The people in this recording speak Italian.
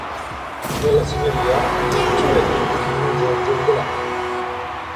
Nella signoria gli succedette il cugino Giorgio Ordelaffi.